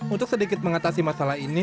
untuk sedikit mengatasi masalah ini